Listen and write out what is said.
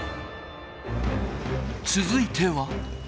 続いては。